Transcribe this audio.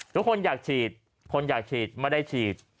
ทุกคนอยากฉีดคนอยากฉีดไม่ได้ฉีด